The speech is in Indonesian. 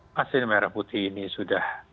vaksin merah putih ini sudah